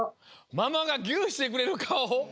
ママがギュしてくれるかお！